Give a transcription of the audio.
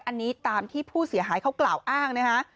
อันนี้ตามที่ผู้เสียหายเขากล่าวอ้างนะคะ